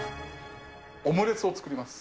オムレツを作ります。